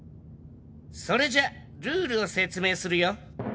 それじゃルールを説明するよ。